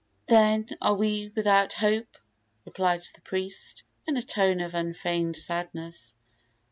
"Then are we without hope," replied the priest, in a tone of unfeigned sadness.